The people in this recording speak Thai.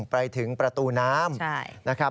ไปถึงประตูน้ำ